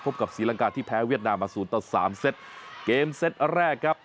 พบกับศรีลังกาที่แพ้เวียดนามมา๐๓เซตเกมเซตแรกครับ